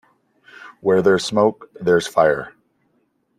Where there's smoke there's fire.